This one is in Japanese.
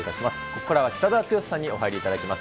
ここからは北澤豪さんにお入りいただきます。